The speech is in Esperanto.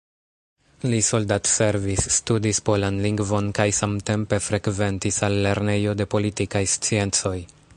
Li soldatservis, studis polan lingvon kaj samtempe frekventis al Lernejo de Politikaj Sciencoj.